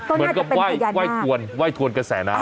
เหมือนกับว่ายถวนกระแสน้ำ